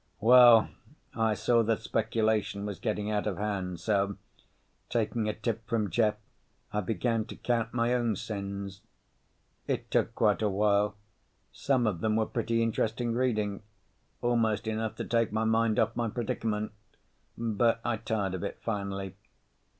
Well, I saw that speculation was getting out of hand so, taking a tip from Jeff, I began to count my own sins. It took quite a while. Some of them were pretty interesting reading, almost enough to take my mind off my predicament, but I tired of it finally.